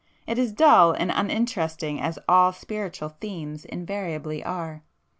It is dull and uninteresting as all 'spiritual' themes invariably are.